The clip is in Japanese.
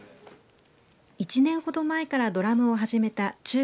１年ほど前からドラムを始めた中学